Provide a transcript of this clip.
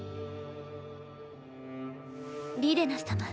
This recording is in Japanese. リレナ様